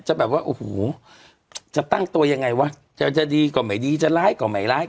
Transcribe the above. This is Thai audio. แบบว่าโอ้โหจะตั้งตัวยังไงวะจะดีก็ไม่ดีจะร้ายก็ไม่ร้าย